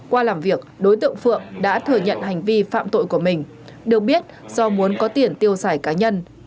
qua làm việc đối tượng phượng đã thừa nhận hành vi phạm tội của mình được biết do muốn có tiền tiêu xài cá nhân